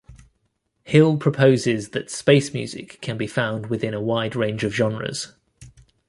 Hill proposes that space music can be found within a wide range of genres.